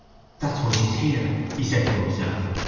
'That's why she's here,' he said to himself.